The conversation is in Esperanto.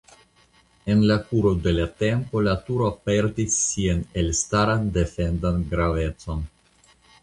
En la kuro de la tempo la turo perdis sian elstaran defendan gravecon.